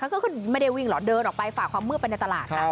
เขาก็ไม่ได้วิ่งเหรอเดินออกไปฝ่าความเมื่อบเป็นในตลาด